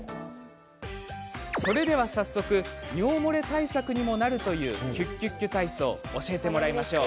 それでは早速尿漏れ対策にもなるというＱＱＱ体操教えてもらいましょう。